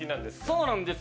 そうなんです。